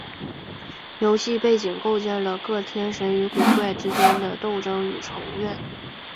游戏背景构建了各天神与鬼怪之间的争斗与仇怨。